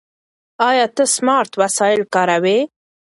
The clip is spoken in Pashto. ایا ته سمارټ وسایل کاروې؟